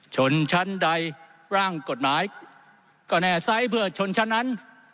ชนชั้นใดร่างกฎหมายก็แน่ไซส์เพื่อชนชั้นนั้น